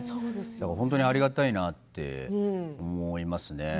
本当にありがたいなって思います。